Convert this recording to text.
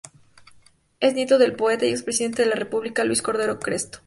Es nieto del poeta y expresidente de la República Luis Cordero Crespo.